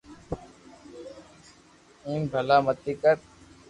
ايم ڀللا متي ڪر